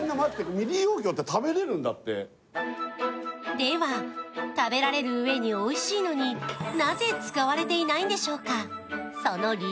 では、食べられるうえに、おいしいのに、なぜ使われていないんでしょうか。